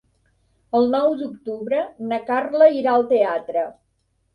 El nou d'octubre na Carla irà al teatre.